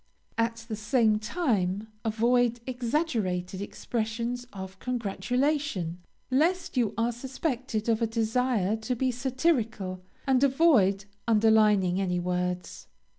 At the same time, avoid exaggerated expressions of congratulation, lest you are suspected of a desire to be satirical, and avoid underlining any words.